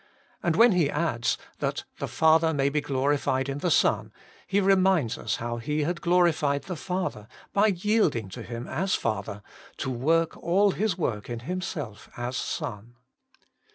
And when He adds, * that the Father may be glorified in the Son,' He reminds us how He had glori fied the Father, by yielding to Him as Father, to work all His work in Himself as Son.